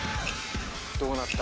どうなった？